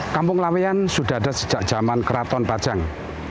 kampung laweyan sudah ada sejak zaman keraton pajang